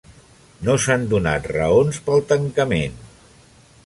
No s'han donat raons pel tancament.